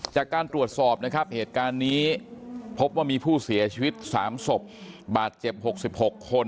จากการตรวจสอบนะครับเหตุการณ์นี้พบว่ามีผู้เสียชีวิต๓ศพบาดเจ็บ๖๖คน